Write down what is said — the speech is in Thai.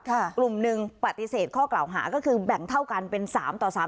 กลุ่มหนึ่งปฏิเสธข้อกล่าวหาก็คือแบ่งเท่ากันเป็นสามต่อสาม